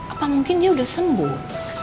apa mungkin dia sudah sembuh